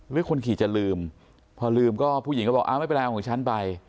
คนขี่จะลืมพอลืมก็ผู้หญิงก็บอกอ้าวไม่เป็นไรเอาของฉันไป